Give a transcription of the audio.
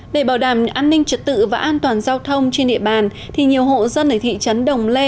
để bảo đảm an ninh trật tự và an toàn giao thông trên địa bàn nhiều hộ dân ở thị trấn đồng lê